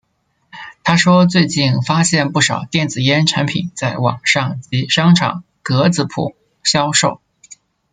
他说最近发现不少电子烟产品在网上及商场格仔铺销售。